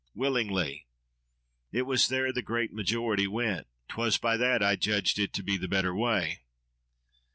—Willingly! It was there the great majority went! 'Twas by that I judged it to be the better way.